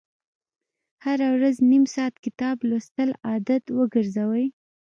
هره ورځ نیم ساعت کتاب لوستل عادت وګرځوئ.